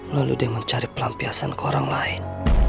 lalu dia mencari pelampiasan ke orang lain